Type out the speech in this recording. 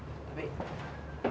tapi kamu masih betah kan